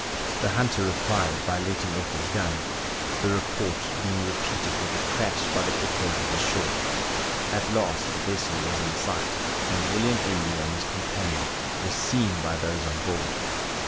The hunter replied by letting off his gun, the report being repeated with a crash by the echoes of the shore. At last the vessel was in sight, and William Emery and his companion were seen by C 2 20 MERIDIANA ; THE ADVENTURES OF those on board.